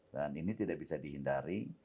dan ini tidak bisa dihindari